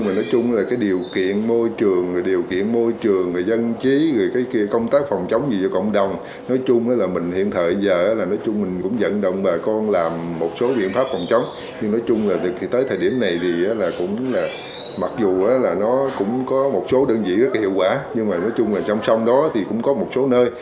mặc dù nó cũng có một số đơn vị rất hiệu quả nhưng mà nói chung là song song đó thì cũng có một số nơi